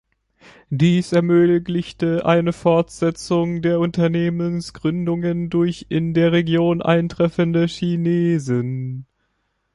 Dies ermöglichte eine Fortsetzung der Unternehmensgründungen durch in der Region eintreffende Chinesen.